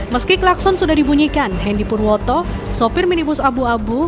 meski klakson sudah dibunyikan hendy purwoto sopir minibus abu abu